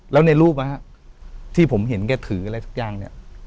แล้วในรูปที่ผมเห็นแกถืออะไรทุกอย่างเนี่ย